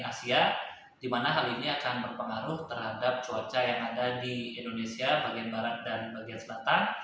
asia dimana hal ini akan berpengaruh terhadap cuaca yang ada di indonesia bagian barat dan bagian selatan